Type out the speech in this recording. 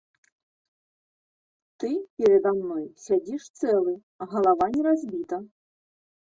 Ты перада мной сядзіш цэлы, галава не разбіта.